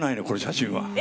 この写真は。